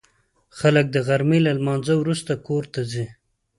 خلک د غرمې له لمانځه وروسته کور ته ځي